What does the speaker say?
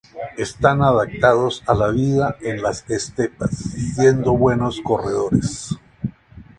Están adaptados a la vida en las estepas, siendo buenos corredores.